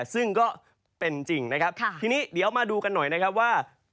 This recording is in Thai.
ซึ่งก็เป็นจริงนะครับทีนี้เดี๋ยวมาดูกันหน่อยนะครับว่า